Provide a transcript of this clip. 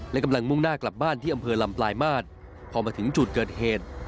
และกำลังมุ่งหน้ากลับบ้านที่อำเภอลำปลายมาตรพอมาถึงจุดเกิดเหตุ